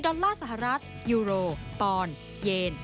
อลลาร์สหรัฐยูโรปอนเยน